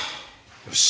よし。